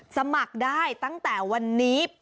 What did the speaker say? สมัครได้ตั้งแต่วันนี้